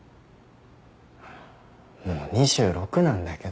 もう２６なんだけど。